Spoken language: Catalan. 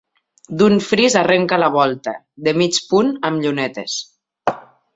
D'un fris arrenca la volta, de mig punt amb llunetes.